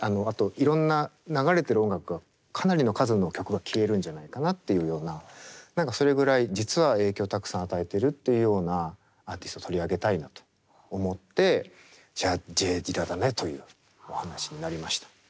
あといろんな流れてる音楽がかなりの数の曲が消えるんじゃないかなっていうような何かそれぐらい実は影響をたくさん与えてるというようなアーティスト取り上げたいなと思ってじゃあＪ・ディラだねというお話になりました。